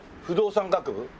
不動産学部？